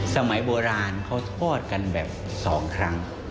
สมัยโบราณเขาทอดกันแบบ๒ครั้ง